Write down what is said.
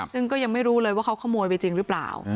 ซึ่งก็ยังไม่รู้เลยว่าเขาขโมยไปจริงหรือเปล่า